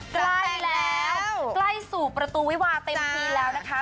ใกล้แล้วใกล้สู่ประตูวิวาเต็มทีแล้วนะคะ